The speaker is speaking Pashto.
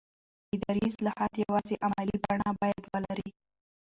اداري اصلاحات یوازې عملي بڼه باید ولري